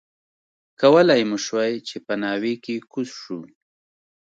کولای مو شوای چې په ناوې کې کوز شو.